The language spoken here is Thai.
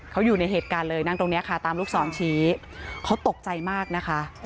เขาอยู่ในเหตุการณ์เลยนั่งตรงนี้ค่ะตามลูกศรชี้เขาตกใจมากนะคะ